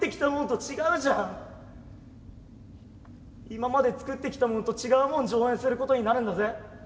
今まで作ってきたものと違うもん上演することになるんだぜ？